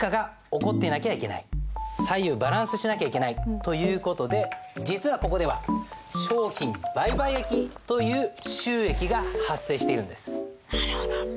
左右バランスしなきゃいけないという事で実はここでは商品売買益という収益が発生しているんです。